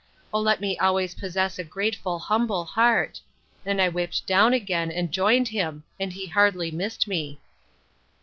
O let me always possess a grateful, humble heart! and I whipt down again and joined him; and he hardly missed me.